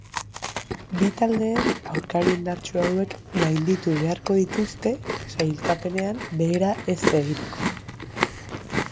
Bi taldeek aurkari indartsu hauek gainditu beharko dituzte sailkapenean behera ez egiteko.